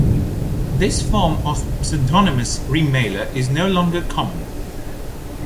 This form of pseudonymous remailer is no longer common.